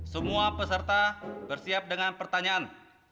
semua peserta bersiap dengan pertanyaan